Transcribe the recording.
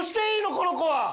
この子は。